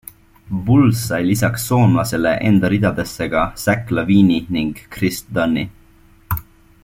Bulls sai lisaks soomlasele enda ridadesse ka Zach Lavine'i ning Kris Dunni.